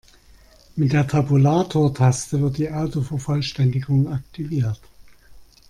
Mit der Tabulatortaste wird die Autovervollständigung aktiviert.